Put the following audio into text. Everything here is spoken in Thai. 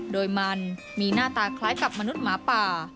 โดยมันมีหน้าตาคล้ายกับมนุษย์หมาป่า